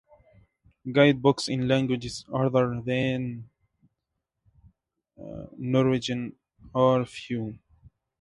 Guidebooks in languages other than Norwegian are few.